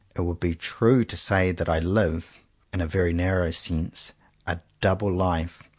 It would be true to say that I live, in a very narrow sense, a double life.